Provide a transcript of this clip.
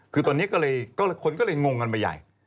คือตอนนี้ก็เลยคนก็เลยงงกันไปใหญ่